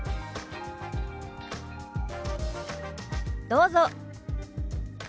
どうぞ。